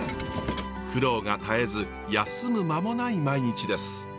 苦労が絶えず休む間もない毎日です。